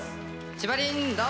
ちばりんど！